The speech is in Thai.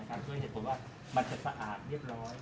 เพื่อให้ต่อว่ามันจะสะอาดเรียบร้อย